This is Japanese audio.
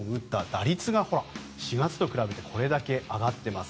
打率が４月と比べてこれだけ上がっています。